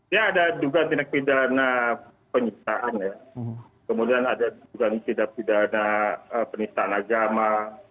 ya ada dugaan tindak pidana penyiksaan ya kemudian ada dugaan tindak pidana penistaan agama